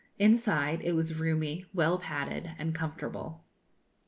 Inside, it was roomy, well padded, and comfortable.